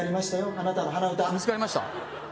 あなたの鼻歌見つかりました？